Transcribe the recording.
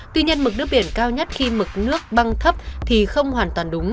tuy nhiên mực nước biển cao nhất khi mực nước băng thấp thì không hoàn toàn đúng